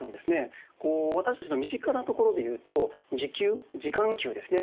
私たちの身近なところで言うと時給時間給ですね。